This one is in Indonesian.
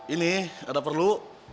ini ada perlu